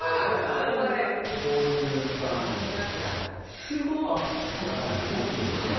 家にこういう感じですね